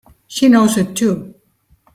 She knows it too!